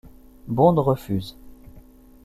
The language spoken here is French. Bond refuse.